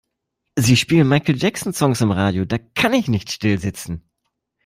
Sie spielen Michael Jackson Songs im Radio, da kann ich nicht stillsitzen.